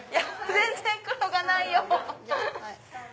全然黒がないよ！